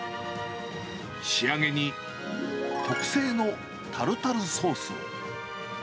仕上げに特製のタルタルソースを。